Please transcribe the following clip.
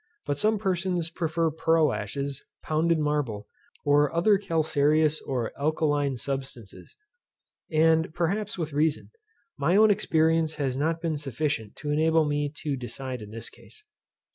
But some persons prefer pearl ashes, pounded marble, or other calcareous or alkaline substances; and perhaps with reason. My own experience has not been sufficient to enable me to decide in this case.